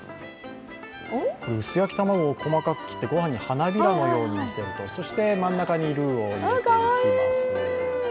薄焼き卵を細かく切ってごはんを花びらのようにのせるとそして真ん中にルーを入れていきます。